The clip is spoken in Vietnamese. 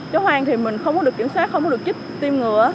chó hoang thì mình không có được kiểm soát không có được chích tim ngựa